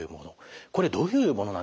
これどういうものなんでしょうか？